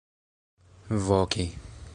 voki